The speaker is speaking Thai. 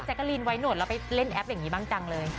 แจกกะลินไวน์โหนดเราไปเล่นแอปแบบนี้บ้างจังเลย